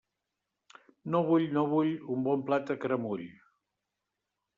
No vull, no vull, un bon plat a caramull.